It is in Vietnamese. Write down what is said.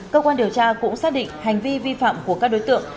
cơ quan điều tra cũng xác định hành vi vi phạm của các đối tượng